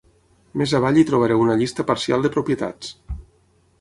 Més avall hi trobareu una llista parcial de propietats.